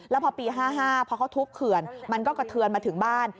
แล้วพอปี๕๕พอเขาทุบเขื่อนมันก็กระเทือนมาถึงบ้าน